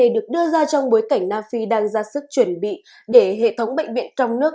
được đưa ra trong bối cảnh nam phi đang ra sức chuẩn bị để hệ thống bệnh viện trong nước